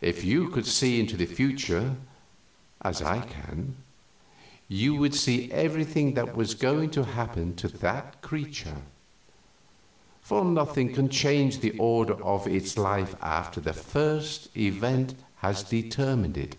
If you could see into the future, as I can, you would see everything that was going to happen to that creature; for nothing can change the order of its life after the first event has determined it.